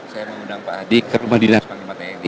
saya mengundang pak adi ke rumah dinas panglima tni